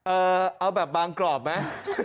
เอาแบบบางกรอบไหม